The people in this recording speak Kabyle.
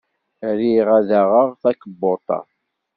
Riɣ ad d-aɣaɣ takebbuḍt-a.